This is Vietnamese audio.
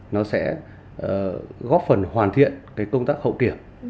nó sẽ góp phần hoàn thiện công tác hậu kiểm